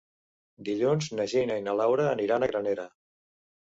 Dilluns na Gina i na Laura aniran a Granera.